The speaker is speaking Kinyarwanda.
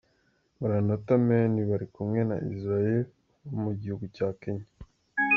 Maranatha Men bari kumwe na Israël wo mu gihugu cya Kenya.